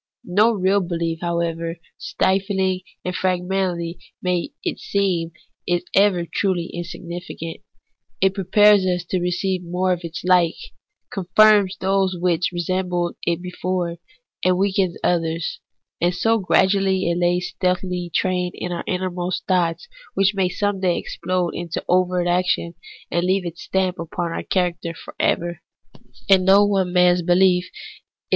No real behef, however trifling and fragmentary it may seem, is ever truly insignificant ; it prepares us to receive more of its like, confirms those which resembled it before, and weakens others ; and so gradually it lays 182 THE ETHICS OF BELIEF. a stealthy train in our inmost thoughts, which may some day explode into overt action, and leave its stamp upon our character for ever. And no one man's behef is.